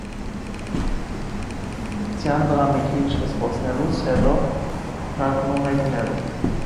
Ձյան վրա մի քիչ զբոսնելուց հետո նա գնում է քնելու։